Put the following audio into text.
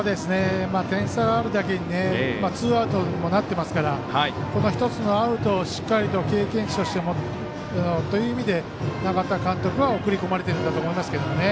点差があるだけにツーアウトにもなってますから１つのアウトを、しっかりと経験値としてという意味で永田監督は送り込まれているんだと思いますけどね。